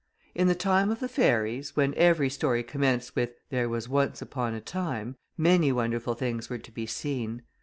In the time of the fairies, when every story commenced with There was once upon a time, many wonderful things were to be seen.